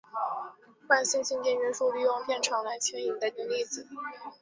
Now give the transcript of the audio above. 惯性静电约束利用电场来牵引带电粒子。